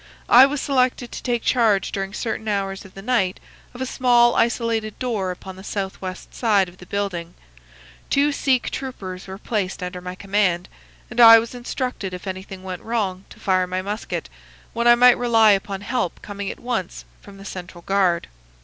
I was selected to take charge during certain hours of the night of a small isolated door upon the southwest side of the building. Two Sikh troopers were placed under my command, and I was instructed if anything went wrong to fire my musket, when I might rely upon help coming at once from the central guard.